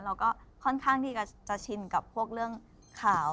เราก็ค่อนข้างที่จะชินกับพวกเรื่องข่าว